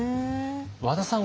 和田さん